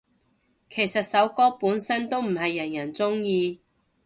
其實首歌本身都唔係人人鍾意